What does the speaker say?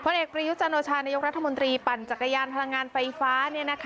เอกประยุจันโอชานายกรัฐมนตรีปั่นจักรยานพลังงานไฟฟ้า